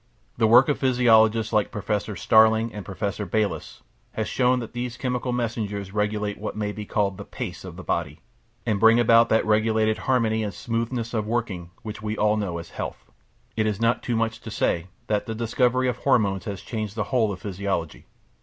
The work of physiologists like Professor Starling and Professor Bayliss has shown that these chemical messengers regulate what may be called the "pace" of the body, and bring about that regulated harmony and smoothness of working which we know as health. It is not too much to say that the discovery of hormones has changed the whole of physiology.